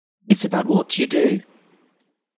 It's about what you do.